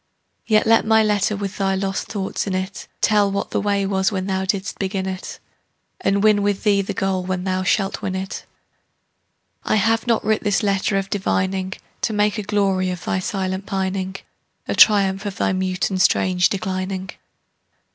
Yet let my letter with thy lost thoughts in it Tell what the way was when thou didst begin it, And win with thee the goal when thou shalt win it. I have not writ this letter of divining To make a glory of thy silent pining, A triumph of thy mute and strange declining.